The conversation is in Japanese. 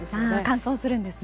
乾燥するんですね。